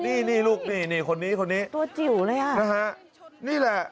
นี่นี่ลูกนี่นี่คนนี้คนนี้ตัวจิ๋วเลยอ่ะนะฮะนี่แหละ